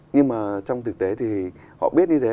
nhưng mà trong thực tế thì họ biết như thế